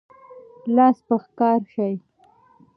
لاس په کار شئ.